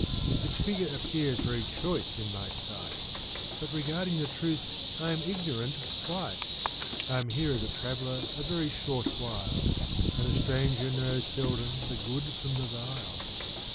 Its figure appears very choice in my sight ; But regarding the truth I am ignorant, quite. I am here as a traveller a very short while, And a stranger knows seldom the good from the vile.